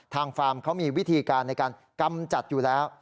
ฟาร์มเขามีวิธีการในการกำจัดอยู่แล้ว